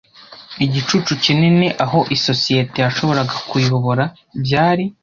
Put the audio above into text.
igicucu kinini aho isosiyete yashoboraga kuyobora. Byari